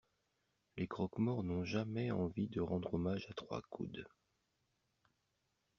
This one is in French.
Les croque-morts n'ont jamais envie de rendre hommage à trois coudes.